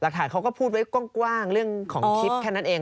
ฐานเขาก็พูดไว้กว้างเรื่องของคลิปแค่นั้นเอง